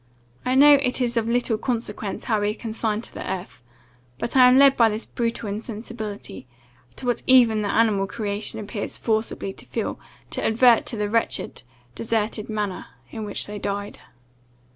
I know it is of little consequence how we are consigned to the earth; but I am led by this brutal insensibility, to what even the animal creation appears forcibly to feel, to advert to the wretched, deserted manner in which they died."